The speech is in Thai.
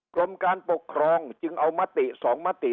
กรมการปกครองจึงเอามติ๒มติ